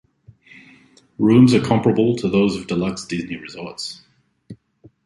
Rooms are comparable to those of Deluxe Disney resorts.